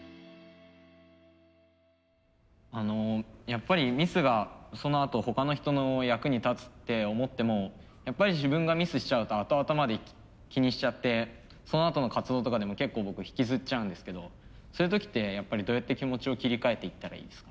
やっぱりミスがそのあと他の人の役に立つって思ってもやっぱり自分がミスしちゃうとあとあとまで気にしちゃってそのあとの活動とかでも結構僕引きずっちゃうんですけどそういう時ってやっぱりどうやって気持ちを切り替えていったらいいですか？